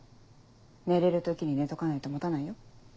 寝れる時に寝とかないと持たないよ。